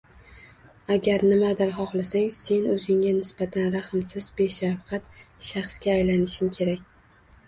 Agar nimadir xohlasang, sen o‘zingga nisbatan rahmsiz, beshafqat shaxsga aylanishing kerak.